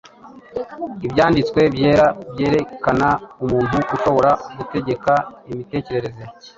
ibyanditswe byera byerekana umuntu ushobora gutegeka imitekerereze